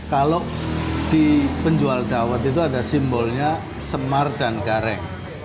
kalau di penjual dawet itu ada simbolnya semar dan gareng